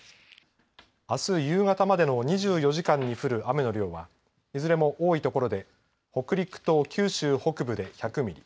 あす夕方までの２４時間に降る雨の量はいずれも多い所で北陸と九州北部で１００ミリ